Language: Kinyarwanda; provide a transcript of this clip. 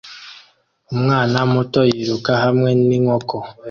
Umwana muto yiruka hamwe n'inkoko